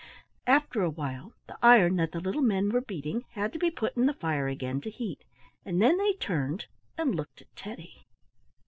After a while the iron that the little men were beating had to be put in the fire again to heat, and then they turned and looked at Teddy.